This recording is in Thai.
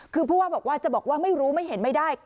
คือพวกเราจะบอกว่าไม่รู้ไม่เห็นไม่ได้